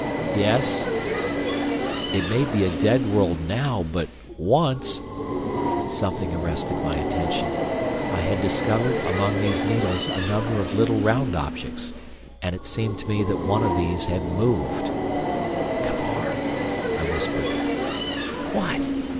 "Yes." "It may be a dead world now—but once—" Something arrested my attention. I had discovered among these needles a number of little round objects. And it seemed to me that one of these had moved. "Cavor," I whispered. "What?"